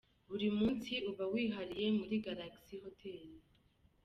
Buri munsi uba wihariye muri Galaxy Hotel.